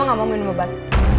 gak mau minum obat